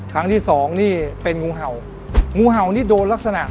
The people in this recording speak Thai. ครั้งที่๒นี่เป็นงูเห่านี่โดนลักษณะ